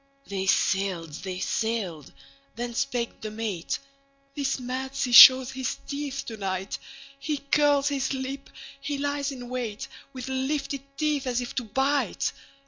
They sailed. They sailed. Then spake the mate:"This mad sea shows his teeth to night. He curls his lip, he lies in wait, With lifted teeth, as if to bite!